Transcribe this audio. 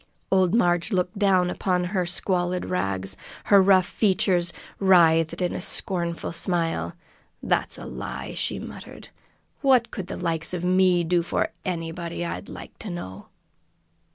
Old Marg looked down upon her squalid rags; her rough features writhed with a scornful smile. "That's a lie!" she muttered. "What could the likes of me do for anybody, I'd like to know!"